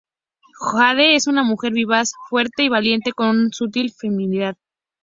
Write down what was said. Jade es una mujer vivaz, fuerte y valiente, y con una sutil feminidad.